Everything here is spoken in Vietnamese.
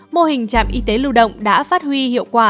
mô hình trạm y tế lưu động đã phát huy hiệu quả